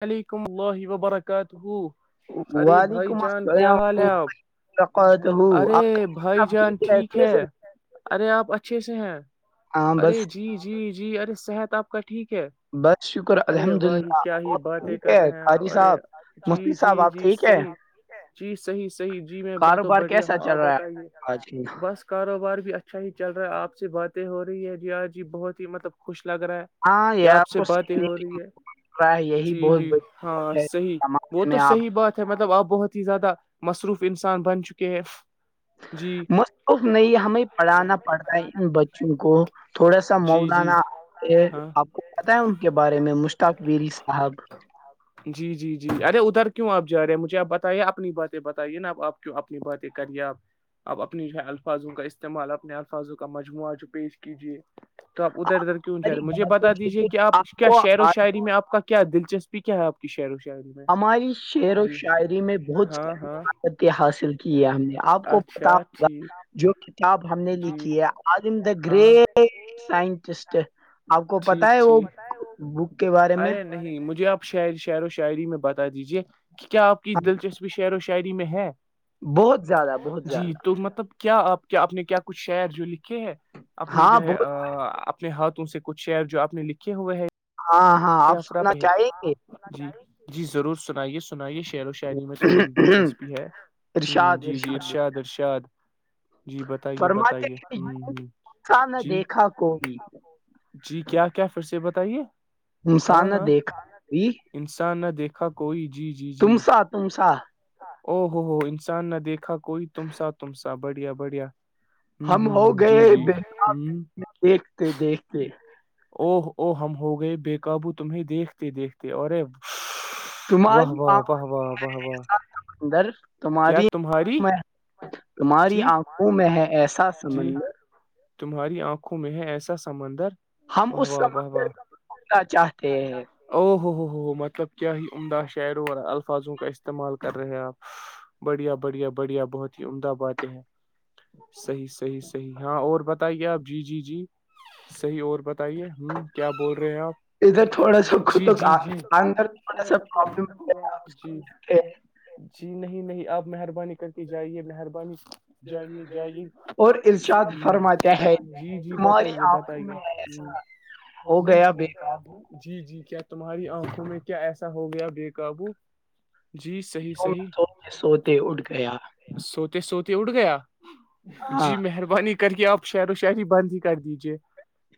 وعلیکم اللہ وبرکاتہ ارے بھائی وعلیکم جان کیا السلام ورحمۃ حال اللہ ہیں آپ وبرکاتہ ارے آپ کا بھائی سب جان ٹھیک اچھے ہے سے ارے آپ اچھے سے ہیں ہاں ارے بس جی جی جی ارے صحت آپ کا ٹھیک ہے بس شکر ارے الحمد واہ ہی اللہ کیا ہی باتیں کر رہے ہیں ارے جی جی صاحب آپ جی ٹھیک ہے صحیح جی صحیح صحیح جی میں میں تو کاروبار بڑھیا کیسا ہوں چل آپ رہا ہے بتائیے آج کل بس کاروبار بھی اچھا ہی چل رہا ہے آپ سے باتیں ہو رہی ہے جی آج جی بہت ہی مطلب خوش لگ رہا ہے ہاں یہ کیا آپ سے کو باتیں سیکھنے ہو کو رہی ہے مل رہا ہے یہی جی بہت جی بڑی ہاں بات ہے صحیح وہ زمانے میں تو آپ صحیح بات مطلب آپ بہت ہی زیادہ مصروف انسان بن چکے ہیں جی موف نہیں ہمیں پڑھانا پڑتاا ہے ان بچوں کو تھوڑا سا جی جی مولانا ہے ہاں آپ کو پت ہے ان کے بارے میں مشتاقویل صاحب جی جی جی ارے ادھر کیوں آپ جا رہے ہیں مجھے آپ بتائیے اپنی باتیں بتائیے نا اب آپ کی اپنی باتیں کریے آپ آپ اپنی جو ہے الفاظوں کا استعمال اپنے الفاظوں کا مجموعہ جو پیش کیجیے تو آپ ادھر ادھر کیوں جا ساری رہے ہیں مجھے باتوں بتا سے دیجیے کہ کچھ آپ کیا کو شع و آ شاعری میں آپ کا کیا دلچسپی کیا ہے آ کی شہر و شعری میں ہماری شعر و جی شاعری میں بہت ہاں ہاں ساقتیں حاصل کیا ہم نے آپ کو پتا اچھا ہوگا ٹھیک جو کتاب ہم نے جی لکھی ہے آم دا ہاں گریٹ سائنٹسٹ آپ کو پتا ٹھیک ہے وہ ٹھیک بک کے بارے میں ارے نہیں مجھے آپ شع شعر و شاعری میں بتا دیجیے کہ کیا آپ کی ہاں، دلچسپی شعر و شاعری میں ہیں بہت زیادہ بہت جی زیادہ تو مطلب کیا آپ کیا آپ نے کیا کچھ شعر جو لکھے ہے اپنے ہاں جو ہے بہت اپنے ہاتھوں سے کچھ شعر جو آپنے لکھے ہوئے ہے ہاں ہاں آپ افر سننا پہ ہے چاہیں گے جی جی ضرور سنائیے سنائیے شعر و شاعری میں تو میری دلچسپی ہے ہ ارشاد جی جی ارشاد ارشاد جی بتائیے بتائیے ہ ہ فرماتا نہ جی دیکھا کوئی جی کیا کیا فر سے بتائیے ہاں مسانہ ہاں دیکھئی انسان نے دیکھا کوئی جی جی جی تم سا تم سا او ہوو ہو انسان نے دیکھا کوئی تم سا تم سا بڑھیا بڑھیا ہوں ہم ہو ہ ہ گئے جی جی باب ہوں دیکھتے دیکھتے او او ہم ہو گئے بے قابو تمہیں دیکھتے دیکھتے اورے تمہاری واہ واہ واہ واہ واہ اندر کیا تمہاری تمہاری تمہاری جی آنکھوں میں ہے ایسا جی سمندر تمہاری آنکھوں میں ہے ایسا سمندر ہم واہ اس واہ واہ سمندر واہ میں گھومنا چاہتے ہیں او ہو ہو ہو ہو مطلب کیا ہی عمدہ شاعروں اور الفاظوں کا استعمال کر رہے آپ بڑھیا بڑھیا بڑھیا بہت ہی عمدہ باد ہے حیح صحیح صحیح ہاں اور بات بتائیے آپ جی جی جی صحیح اور بتائیے ہ کیا بول رہے ہیں آپ ادھر تھوڑا سا اندر تھوڑا تھوڑا سا پرابلم پرلم جی ہے جی نہیں نہیں آپ مہربانی کر جائیے مہربانی جائیے جائیے اور ارشاد فرماتے ہے اشاد جی جی بتائیے بتائیے ہ وہ گیا جی جی کیا تمہاری آنکھوں میں کیا ایسا ہو گیا بے قابو جی صحیح جو میں صحیح سوتے سوتے اٹھ گیا سوتے سوتے اٹ گیا ہاں جی مہربانی کر کے آپ شہر و شہری بند ہی کر دیجیے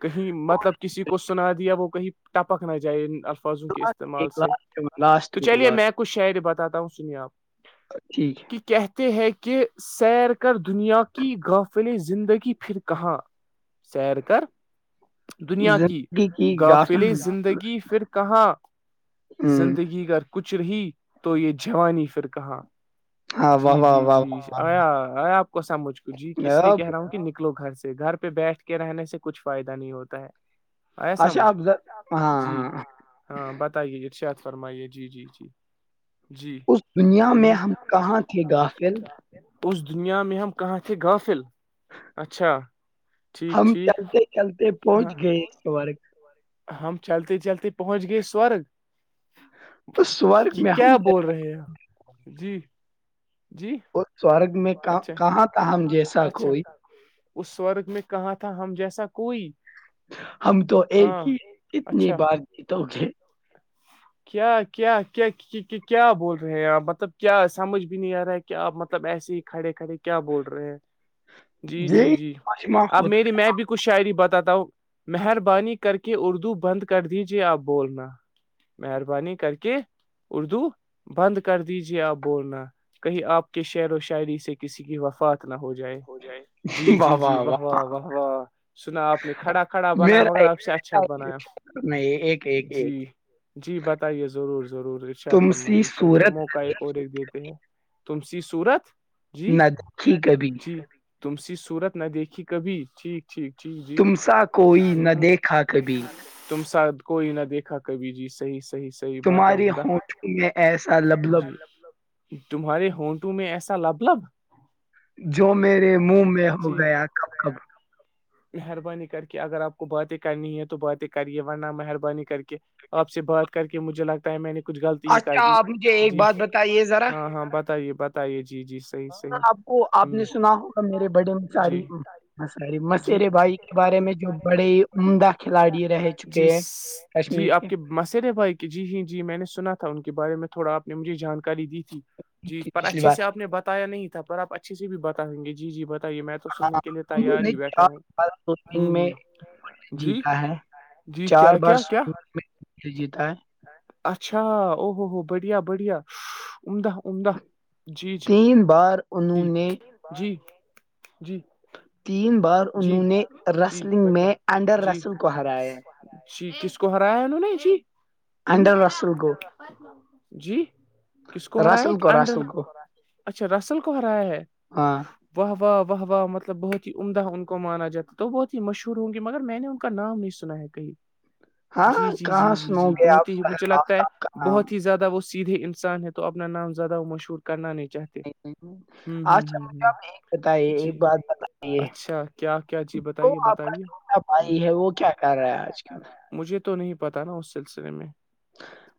کہیں مطلب کسی کو سنا دیا وہ کہیں ٹپک نہ جائے ان الفاظوں کے استعمال ایک سے لاسٹ لاسٹ تو چلیے میں لاسٹ ک شعری بتاتا ہوں سنی آپ ٹھیک ہے کہتے ہیں کہ سیر کر دنیا کی غافل زندگی پھر کہاں سیر کر ہے دنیا کی زندگی گافل افل زندگی پھر کہاں ہوں زندگی گ کچھ رہی تو یہ جوانی پھر کہاں ہاں واہ جی واہ جی واہ جی واہ آیا ہ آ کو سمجھ کو جی کہ واہ۔ اس لیے کہہ اب رہا ہوں کہ لو گھر سے گھر پہ بیٹھ کے رہنے سے کچھ فائدہ نہیں ہوتا ہے آیا سمجھ اچھا آپ ہاں جی ہاں ہاں بتائیے ارشیات فرمائیے جی جی جی جی اس دنیا میں ہم ہ کہاں تھے افل اس دنیا میں ہم کہاں تھے غافل اچھا ٹھیک ٹھیک ہاں بار ہم چلتے چلتے پہنچ گیئے سورے اس سورگ میں ہم کیا جیسا، بول رہے ہیں جی جی اور سورگ میں کہاں ت ہم جیسا کوئی اس سورگ میں کہاں تھا ہم جیسا کوئی ہم تو ایک ہاں ہی کتنی بار جیتو گے ھم کیا کیا کیا کیا بول رہے ہیں آپ مطلب کیا سمجھ بھی نہیں آ رہا ہے کہ آپ مطلب ایسیے کھڑے کھڑے کیا بول رہے ہیں جی جی یہی جی مجمع اب ہوتا میری میں بھی کچ شاعری بتاتا ہوں مہربانی کر کے اردو بند کر دیجیے آپ بولنا مہربانی کر کے اردو بند کر دیجیے آپ بولنا کہیں آپ کے شعر و شاعری سے سے کسی کی وفات نہ ہو جائے جی جی جی واہ واہ واہ واہ سنا آپ نے کھڑا کھڑا بنایا میرا مگر ایک آپ سے اچھا ایسا بنایا دوست نہیں ایک ایک ایک جی جی بتائیے ضرور ضرور ارشاد تم سی فرمائیے چلیے صورت موقع ایک ریککھ دیتے ہیں تم س صورت جی نہ د ھییک ہےبھی جی تم س صورت نہ دیکھی کبھی ٹھیک ٹھیک جٹھیک جی تم سا کوئی نہ ہ دیکھا کبھی تم س کوئی نہ دیکھا کبھی جی صحی صحیح بات ہے تمہاری عمدہ ہونٹل میں ایسا لب لب جی تمہارے ہونٹو میں ایسا لب لب جو میرے منہ میں ہو جی گیا کب کب مہربانی کر کے اگر آپ کو باتیں کرنی ہے تو باتیں کریے ورنہ مہربانی کر کے آپ سے بات کر کے مجھے لگتا ہے میں نے کچھ غلط ہی کر اچھا دی آپ مجھے ایک جی بات بتائیے ذرا ہاں ہاں بتائیے بتائیے جی جی صحیح ہاں صحیح آپ کو آپ ہ نے سنا ہوگا میرے بڑے مچاری جی ہاں ساری جی مسیرے بھائی کے بارے میں جو بڑے ہی عمدہ کھلاڑی رہ چکے ہیں کشمیر کے مسرے بھائی کہ جی ہ جی میں نے سنا تھا ان کے بارے میں تھوڑا آپ نے مجھے جانکاری دی تھی جی کے پر پچھلی اچھے بار سے آپ نے بتایا نہیں تھا پر آپ اچھے سے بھی بتائیں گے جی جی بتائیے میں تو تو سننے کے لیے تیار ہی بیٹھے گ میں جی جیتا ہے جی چار کیا بار کیا کیا جیتا ہے اچھا ا ہو ہو بڑھیا بڑھیا امدہ عمدہ جی جی تین بار جی انہوں نے جی جی تین بار جی انہوں نے جی رسلنگ بتلا میں انڈر جی رسل کو ہرایا جی کس کو ہرایا ہے انہوں نے جی انڈر رسل کو ہ جی کس کو ہرا ہے رسل کو انڈر رسل کو اچھا رسل کو ہرایا ہے ہاں واہ واہ واہ واہ مطلب بہت ہی عمدہ عمدہ کو مانا جا ہے تو بہت ہی مشہور ہوں گی مگر میں نے ان کا نام نہیں سنا ہے کہیں ہاں جی جی جی کہاں جی سنو جی گے بہت آپ ہی مجھے صاحب لگتا ہے آفتاب کا نام بہت ہی زیادہ وہ سیدھے انسان ہے تو اپنا نام زیادہ وہ مشہور کرنا نہیں چاہتے ہوں ہوں آجھا ہوں مجھ ہوں ایک بتائیے ایک جی بات بتائیے اچھا کیا کیا جی وہ بتائیے آپ کا بتائیے چھوٹا ہ بھائی ہے وہ کیا کر رہا آج کل مجھے تو نہیں پتا نا اس سلسلے میں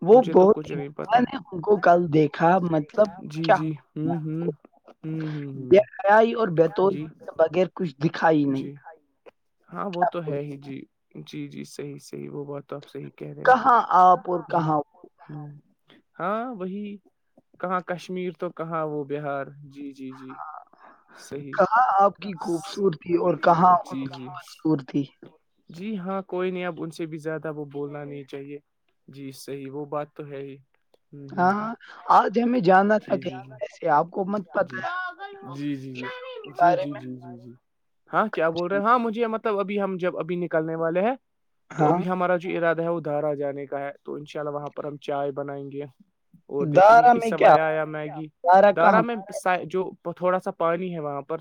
وہ مجھے تو بہت کچھ نہیں پتا نے ان کو کل دیکھا مطلب جی کیا جی ہوں ہوں ہوں ہوں بے ہوں حیائی اور بیتور جی بغیر کچھ دکھائی نہیں جی ہاں وہ تو کو۔ ہے ہی جی جی جی صحیح صحیح وہ بہت تو آپ صحی کہہ رہے کہاں آپ اور جی کہاں وہ؟ ہ ہاں وہی کہاں کشمیر تو کہاں وہ بہار جی جی جی صحیح کہاں آپ کی خوبصورتی اور کہاں جی ان کی جی خوبصورتی جی ہاں کوئی نہیں اب ان سے بھی زیادہ وہ بولنا نہیں چاہیے جی صحی وہ بات تو ہے ہی ہ ہاں آج ہمیں جانا تھا جی جی کہیں ایسے آپ کو مت پتا جی ہے جی جی جی جی بارے جی جی جی جی ہاں کیا بول رہے ہیں ہاں مجھے یہ مت ابھی ہم جب ابھی نکلنے والے ہیں میں تو ہاں ابھی ہمارا جو ارادہ ہے ادھارا جانے کا ہے تو ان شاء اللہ وہاں پر ہم چائے بنائیں گے اور دیکھیں گے دارا کہ میں کیا سویا آیا میگی دارا میں جو تھوڑا سا پانی ہے وہاں پر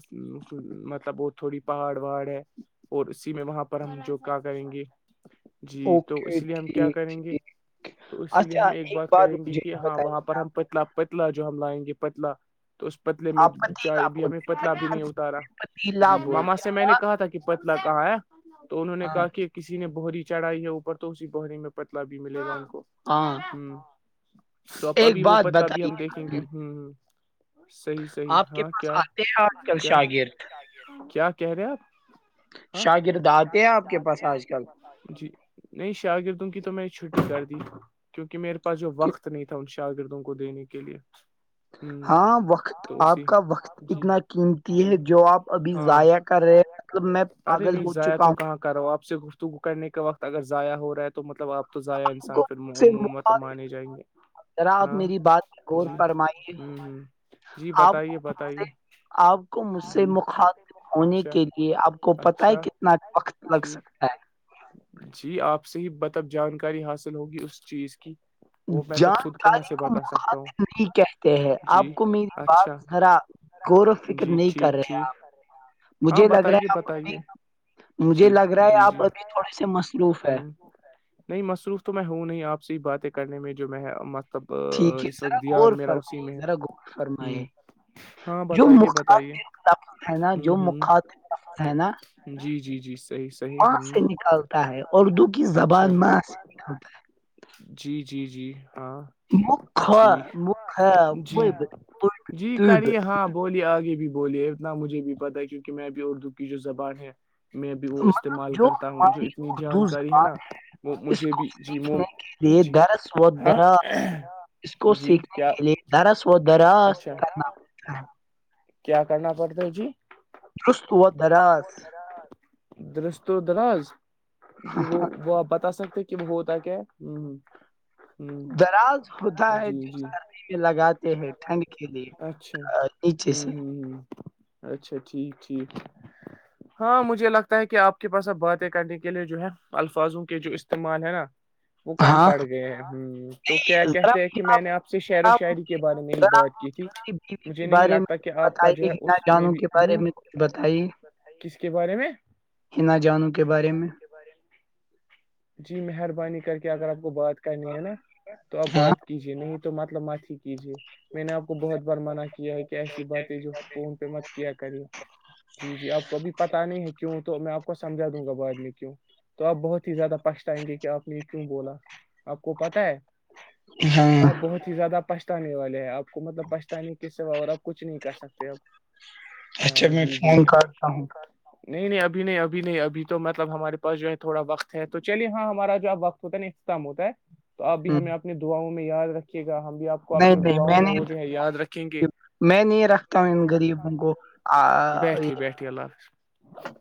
مطلب بت تھوڑی پہاڑ وہاڑ ہے اور اسی میں وہاں پر ہم جو کا کریں گے جی تو اوکے اس لیے ہم کیا ٹھیک کریں ٹھیک گے تو اسی لیے اچھا ہم ایک بات کریں گے مجھے کہ ہاں بتائیے وہاں پر ہم پتلا پتلا جو ہم لائیں گے پتلا تو اس پتلے میں آپ آپ چائے پتیلا اب ہمیں بولتے ہیں پتلا بھی پتیلا نہیں اتارا جی پتیلا ماما بولتے سے میں ہیں نے کہا تھا کہ پتلا کہاں ہے تو انہوں آپ؟ نے ہاں کہا کہ کسی نے بہری چڑھائی ہے اوپر تو اسی بہری میں پتلا بھی ملے گا ان کو ہاں ہ تو اب ایک ابھی وہ بات پتلا بھی بتائیے ہم دیکھیں گے ہوں ہ صحیح صحیح آپ کے ہاں پاس کیا آتے ہیں آج کل کیا شاگررد کیا کہہ رہے آپ ہاں شاگررد آتے ہیں آپ کے پاس آج کل جی نہیں شاگردوں کی تو میں چھٹی کر دی کیونکہ میرے پاس جو کہ وقت نہیں تھا ان شاگردوں کو دینے کے لیے ہ ہاں وقت تو اسی آپ کا وقت جی اتنا قیمتی جی ہے جو آپ ابھی ہاں ضائع کر رہے ہیں مطلب میں پاگل ہو چکا ہوں کرو آپ سے گفتگو کرنے کے وقت اگر ضائع ہو رہا ہے تو مطلب آپ تو ضائع آپ انسان کو سے پھرت مقع مانے جائیں گے ذرا آپ ہاں میری بات غور جی فرمائیے ہ ہ جی آپ بتائیے بتائیے آپ کو مجھ سے جی مخط ہونے اچھا کے لیے آپ کو پت ہے اچھا کتنا وقت لگ ٹھیک سکتا ہے جی آپ سے ہی مطب جانکاری حاصل ہوگی اس چیز کی وہ میں تو خود کہاں جانکاری سے کو بتا سکتا ہوں مخاطب نہیں کہتے ہیں جی آپ کو میری اچھا بات ذرا غور و فکر جی نہیں کر ٹھیک رہے آپ ٹھیک ہاں مجھے لگ رہا بتائیے ہے آپ بتائیے اب مجھے جی لگ رہا ہے جی جی آپ ابھی تھوڑے سے مصروف ہے ہ نہیں مصروف تو میں ہوں نہیں آپ سے باتیں کرنے میں جو میں تب اس وقت دان میرا اسی میں ہے ہ فرمائے ہاں جو بتائیے بتائیے مخطظ ہے نا ہ جو ہ مخطظ ہے نا جی جی جی صحیح صحیح وہاں ہ سے نکالتا ہے اردو کی اچھا زبان ماں سے نکالتا ہے جی جی جی ہاں مکھ ٹھیک مکھ جی وہ بھی جی کریے ہاں بولیے آگے بھی بولیے اتنا مجھے بھی پتتا ہے کیونکہ میں بھی اردو کی جو زبان ہے میں بھی وہ استعمال جو کرتا ہوں ہماری جو اتنی اردو جانکاری ہے زبان نا وہ اس مجھے کو بھی جی سیکھنے کے لیے جی درس و ہاں دراز اس کو جی سیکھنے کیا کے لیے درس و درس کرنا اچھا پڑتا ہے کیا کرنا پڑتا ہے جی خست ہو دراز درست دراز جی وہ وہ آپ بتا سکتے کہ جب ہوتا کیا ہوں ہ دراز ہوتا ہے جی جو جی سردی میں لگاتے ہیں ٹھنڈ کے لیے اچھا نیچے ہ سے ہ ہ اچھا ٹھیک ٹھیک ہاں مجھے لگتا ہے کہ آپ کے پاس اب باتیں کرنے کے لیے جو ہے الفاظوں کے جو استعمال ہے نا وہ کام ہاں پڑ گئے ہیں ہ تو کیا ذرا کہتے ہیں کہ مجھے میں نے آپ سے شعر و آپ شاعری کے بارے میں ہی ذرا بات کی تھی میری بیوی مجھے کے نہیں بارے لگتا میں کچھ کہ آپ کا جو بتائیے ہے ہنا اس میں جانوں بھی کے ہ بارے میں کچھ بار بتائیے ب کس کے بارے میں حناا جانوں کے بارے میں جی مہربانی کر کے اگر آپ کو بات کرنی ہے نا تو آپ ہاں بات کیجیے نہیں تو مطلب مت ہی کیجیے میں نے آپ کو بہت بار منع کیا ہے کہ ایسی بات ہے جو فون پہ مت کیا کرے جی جی آپ کو ابھی پتا نہیں ہے کیوں تو میں آپ کو سمجھا دوں گا بعد میں کیوں تو اپ بہت ہی زیادہ آئیں گے کہ آپ نے یہ کیوں بولا آپ کو پتا ہے ہاں آپ بہت ہی زیادہ پہھتانے والے ہیں آپ کو مطلب پھتانے کے سے با اور آپ کچھ نہیں کر سکتے اپ اچھا میں فون کرتا ہوں نہیں نہیں ابھی نہیں ابھی نہیں ابھی تو مطلب ہمارے پاس جو ہے تھوڑا وقت ہے تو چلیے ہاں ہمارا جو آب وقت ہوتا ہے نا استم ہوتا ہے تو اپ ہ بھی ہمیں آپ اپنی دعاؤں میں یاد رکے گا ہم بھی آپ کو نہیں اپنی نہیں دعاؤں میں وہ جو ہے یاد رکھیں گے نہیں میں نہیں رکھتا ہوں ان غریبوں کو آ ب اللہ حافظ